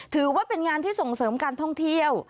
ถือว่าเป็นงานที่ส่งเสริมการท่องเที่ยว